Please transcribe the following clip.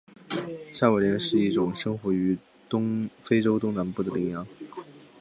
山苇羚是一种生活于非洲东北部的羚羊。